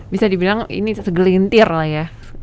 bisa dibilang ini segelintir lah ya